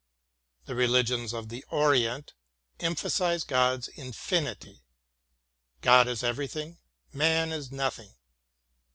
The re ligions of the Orient emphasize God's infinity. God is everything, man is nothing.